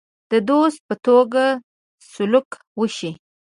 د دوست په توګه سلوک وشي.